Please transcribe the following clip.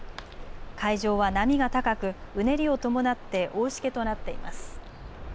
海上は波が高くうねりを伴って大しけとなっています。